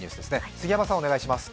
杉山さん、お願いします。